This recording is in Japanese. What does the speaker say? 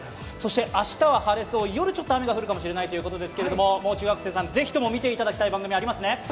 明日は晴れそう、夜ちょっと雨が降るかもしれないということですが、もう中学生さん、ぜひとも見ていただきたい番組ありますね？